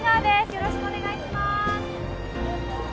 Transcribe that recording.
よろしくお願いします